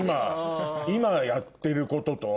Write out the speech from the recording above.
今やってることと。